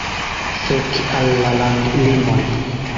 Fek al la landlimoj.